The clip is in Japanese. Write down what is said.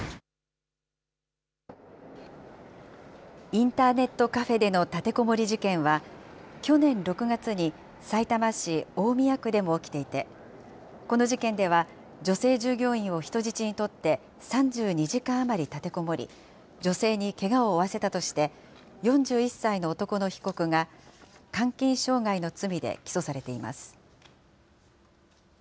インターネットカフェでの立てこもり事件は、去年６月に、さいたま市大宮区でも起きていて、この事件では、女性従業員を人質にとって３２時間余り立てこもり、女性にけがを負わせたとして、４１歳の男の被告が、監禁傷害の罪で起訴されています。